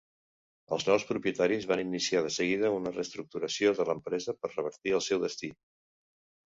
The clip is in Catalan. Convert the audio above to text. Els nous propietaris van iniciar de seguida una reestructuració de l'empresa per revertir el seu destí.